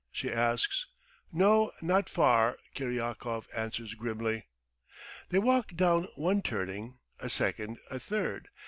she asks. "No, not far," Kiryakov answers grimly. They walk down one turning, a second, a third.